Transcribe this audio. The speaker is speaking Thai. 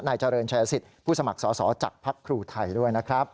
เจริญชายสิทธิ์ผู้สมัครสอสอจากภักดิ์ครูไทยด้วยนะครับ